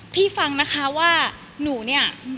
ฟังนะคะว่าหนูเนี่ย